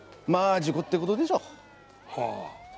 まあ事故って事でしょう。はあ。